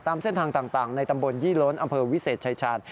ตามเส้นทางต่างในตำบลยี่ล้นอำเภอวิเศษชายชาญ